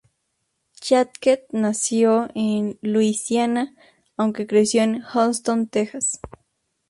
Jacquet nació en Luisiana, aunque creció en Houston, Texas.